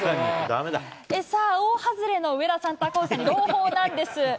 さて、大外れの上田さんと赤星さんに朗報なんです。